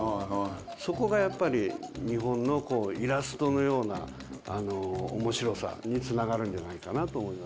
そこがやっぱり日本のイラストのような面白さにつながるんじゃないかなと思いますよね。